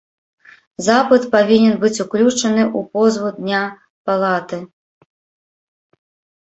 Запыт павінен быць уключаны ў позву дня палаты.